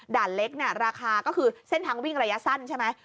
เล็กเนี่ยราคาก็คือเส้นทางวิ่งระยะสั้นใช่ไหม